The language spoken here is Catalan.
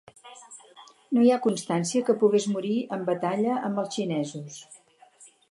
No hi ha constància que pogués morir en batalla amb els xinesos.